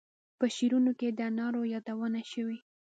په شعرونو کې د انارو یادونه شوې.